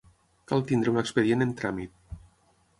Cal tenir un expedient en tràmit.